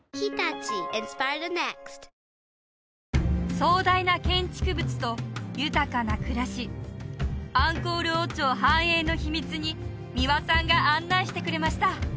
壮大な建築物と豊かな暮らしアンコール王朝繁栄の秘密に三輪さんが案内してくれました